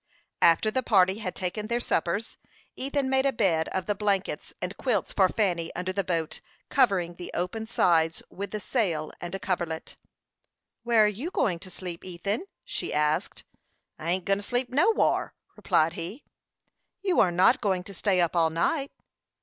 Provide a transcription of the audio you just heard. After the party had taken their suppers, Ethan made a bed of the blankets and quilts for Fanny, under the boat, covering the open sides with the sail and a coverlet. "Where are you going to sleep, Ethan?" she asked. "I ain't go'n to sleep nowhar," replied he. "You are not going to stay up all night."